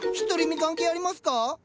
独り身関係ありますか？